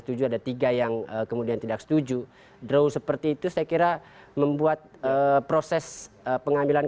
tujuh ada tiga yang kemudian tidak setuju draw seperti itu saya kira membuat proses pengambilan